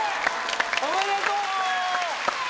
おめでとう。